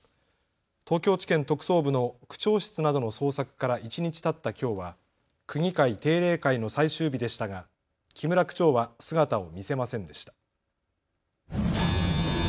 東京地検特捜部の区長室などの捜索から一日たったきょうは区議会定例会の最終日でしたが木村区長は姿を見せませんでした。